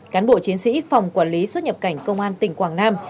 cán bộ chiến sĩ phòng quản lý xuất nhập cảnh công an tỉnh quảng nam